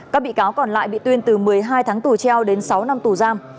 các bị cáo còn lại bị tuyên từ một mươi hai tháng tù treo đến sáu năm tù giam